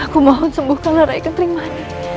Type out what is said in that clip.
aku mohon sembuhkan larai ketriman